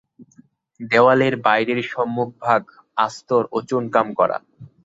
দেওয়ালের বাইরের সম্মুখভাগ আস্তর ও চুনকাম করা।